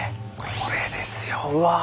これですようわ。